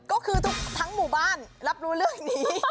ก็คือทุกหมู่บ้านรับรู้เรื่องนี้